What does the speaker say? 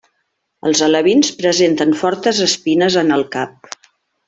Els alevins presenten fortes espines en el cap.